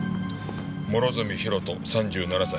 諸角博人３７歳。